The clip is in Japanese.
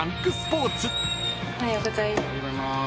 おはようございます。